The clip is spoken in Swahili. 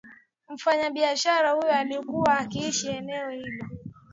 Mfanya biashara huyo alikuwa akiishi eneo hilo